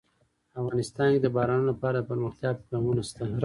افغانستان کې د بارانونو لپاره دپرمختیا پروګرامونه شته.